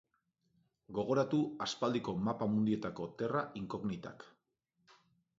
Gogoratu aspaldiko mapa-mundietako terra incognitak.